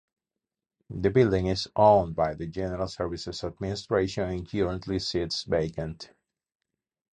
The building is owned by the General Services Administration and currently sits vacant.